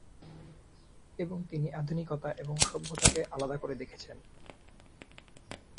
এবং তিনি আধুনিকতা এবং সভ্যতাকে আলাদা করে দেখেছেন।